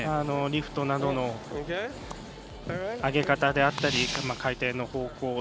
リフトなどの上げ方であったり回転の方向